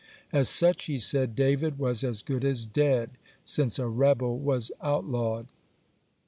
As such, he said, David was as good as dead, since a rebel was outlawed.